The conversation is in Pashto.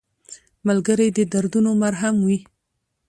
ملګری د دردونو مرهم وي